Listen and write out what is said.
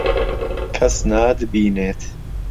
کەس ناتبینێت.